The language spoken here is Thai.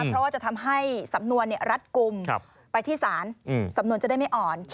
เพราะว่าจะทำให้สำนวนรัดกลุ่มไปที่ศาลสำนวนจะได้ไม่อ่อน